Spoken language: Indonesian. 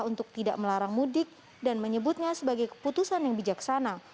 untuk tidak melarang mudik dan menyebutnya sebagai keputusan yang bijaksana